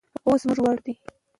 اوس زموږ وار دی.